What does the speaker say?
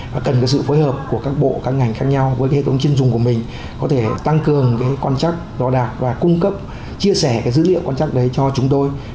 và cần sự phối hợp của các bộ các ngành khác nhau với hệ thống chuyên dùng của mình có thể tăng cường cái quan trắc đo đạc và cung cấp chia sẻ cái dữ liệu quan trắc đấy cho chúng tôi